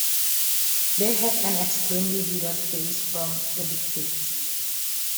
They have an extremely bitter taste from additives.